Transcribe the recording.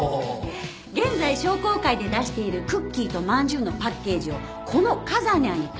現在商工会で出しているクッキーとまんじゅうのパッケージをこのかざにゃーに変え